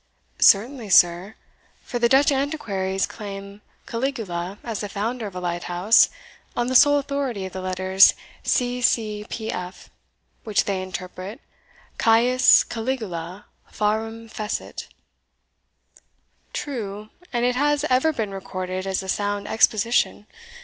"Certainly, sir; for the Dutch Antiquaries claim Caligula as the founder of a light house, on the sole authority of the letters C. C. P. F., which they interpret Caius Caligula Pharum Fecit." "True, and it has ever been recorded as a sound exposition.